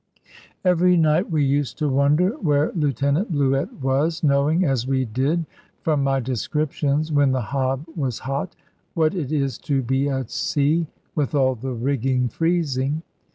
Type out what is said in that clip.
Every night we used to wonder where Lieutenant Bluett was, knowing as we did from my descriptions (when the hob was hot) what it is to be at sea with all the rigging freezing.